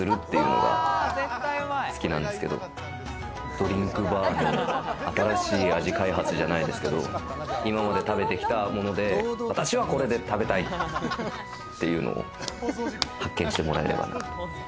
ドリンクバーの新しい味開発じゃないですけど、今まで食べてきたもので、私はこれで食べたいっていうのを発見してもらえればなと。